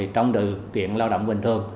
trong đường tiện lao động bình thường